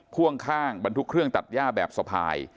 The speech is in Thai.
พ่วงข้างบรรทุกเครื่องตัดย่าแบบสะพาย